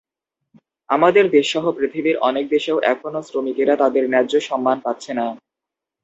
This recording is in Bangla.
আমাদের দেশসহ পৃথিবীর অনেক দেশেও এখনো শ্রমিকেরা তাদের ন্যায্য সম্মান পাচ্ছে না।